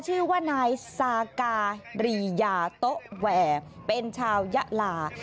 ชื่อว่านายซาการียาโต๊ะแวร์เป็นชาวยะลา